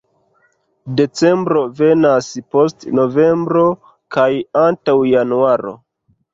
Decembro venas post novembro kaj antaŭ januaro.